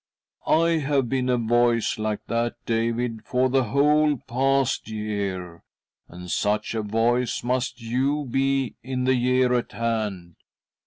" I have been a voice like that, David, for the whole past year, and such a voice must you be in the year at hand.